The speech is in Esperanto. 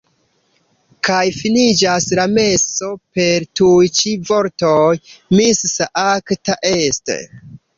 Kaj finiĝas la meso per tuj ĉi vortoj: "Missa acta est.